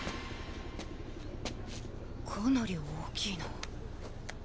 かなり大きいな。